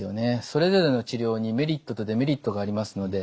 それぞれの治療にメリットとデメリットがありますので。